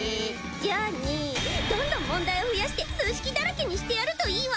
じゃあねぇどんどん問題を増やして数式だらけにしてやるといいわ！